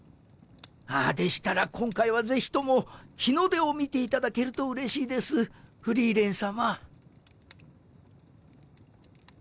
あぁでしたら今回はぜひとも日の出を見ていただけるとうれしいですフリーレン様。